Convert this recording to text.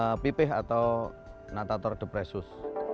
penyu pipih atau natator depresus